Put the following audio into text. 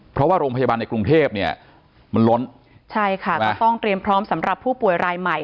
เพราะว่าโรงพยาบาลในกรุงเทพเนี่ยมันล้นใช่ค่ะก็ต้องเตรียมพร้อมสำหรับผู้ป่วยรายใหม่